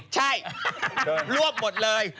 ใช่รวบหมดเลย